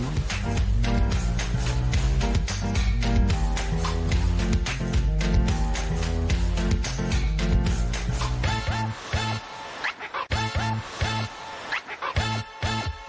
สวัสดีครับ